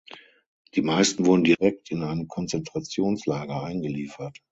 Die meisten wurden direkt in ein Konzentrationslager eingeliefert.